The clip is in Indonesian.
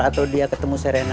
atau dia ketemu serena